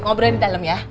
ngobrolin di dalam ya